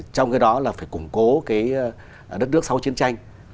trong cái đó là phải củng cố cái đất nước sau chiến tranh